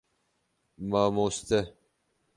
Mamoste